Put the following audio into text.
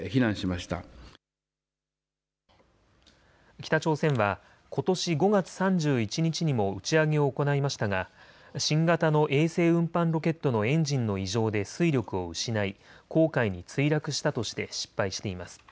北朝鮮はことし５月３１日にも打ち上げを行いましたが新型の衛星運搬ロケットのエンジンの異常で推力を失い黄海に墜落したとして失敗しています。